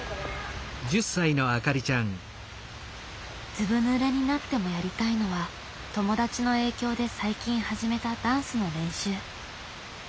ずぶぬれになってもやりたいのは友達の影響で最近始めたダンスの練習。